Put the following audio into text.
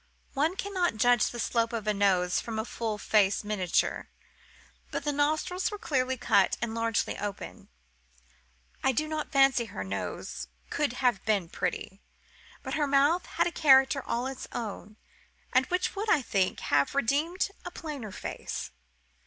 One cannot judge of the shape of a nose from a full face miniature, but the nostrils were clearly cut and largely opened. I do not fancy her nose could have been pretty; but her mouth had a character all its own, and which would, I think, have redeemed a plainer face.